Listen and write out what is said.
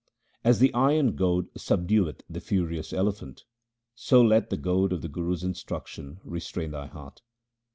As the iron goad subdueth the furious elephant, so let the goad of the Guru's instruction restrain thy heart.